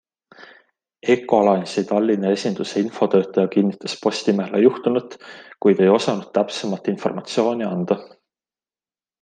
Ecolines'i Tallinna esinduse infotöötaja kinnitas Postimehele juhtunut, kuid ei osanud täpsemat informatsiooni anda.